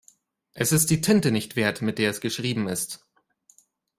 Es ist die Tinte nicht wert, mit der es geschrieben ist.